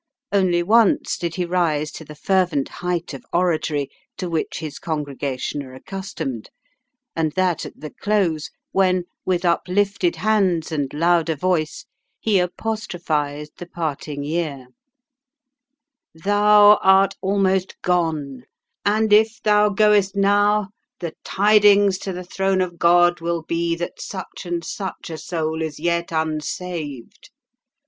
Only once did he rise to the fervent height of oratory to which his congregation are accustomed, and that at the close, when, with uplifted hands and louder voice, he apostrophised the parting year: "Thou art almost gone, and if thou goest now the tidings to the throne of God will be that such and such a soul is yet unsaved.